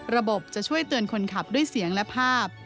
จะช่วยเตือนคนขับด้วยเสียงและภาพ